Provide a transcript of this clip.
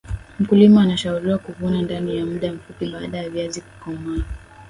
mkulima anshauriwa kuvuna ndani ya mda mfupi baada ya viazi kukomaa